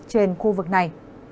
trên khu vực này